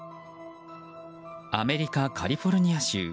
アメリカ・カリフォルニア州。